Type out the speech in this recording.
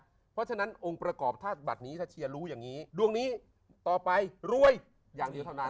เพราะฉะนั้นองค์ประกอบธาตุบัตรนี้ถ้าเชียร์รู้อย่างนี้ดวงนี้ต่อไปรวยอย่างเดียวเท่านั้น